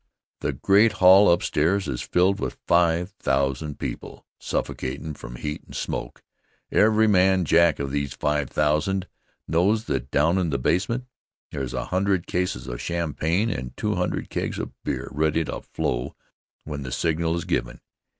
The great hall upstairs is filled with five thousand people, suffocatin' from heat and smoke. Every man Jack of these five thousand knows that down in the basement there's a hundred cases of champagne and two hundred kegs of beer ready to flow when the signal is given.